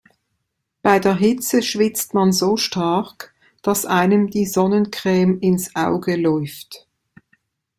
Bei der Hitze schwitzt man so stark, dass einem die Sonnencreme ins Auge läuft.